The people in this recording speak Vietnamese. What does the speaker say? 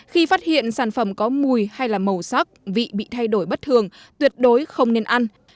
khi phát hiện sản phẩm có mùi hay màu sắc vị bị thay đổi bất thường tuyệt đối không nên ăn